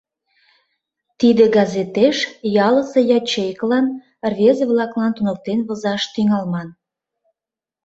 Тиде газетеш ялысе ячейкылан, рвезе-влаклан туныктен возаш тӱҥалман.